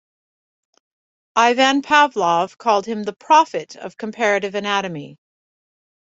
Ivan Pavlov called him the "prophet of comparative anatomy".